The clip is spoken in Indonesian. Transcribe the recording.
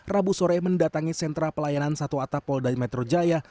rabu sore mendatangi sentra pelayanan satu ata polda metro jaya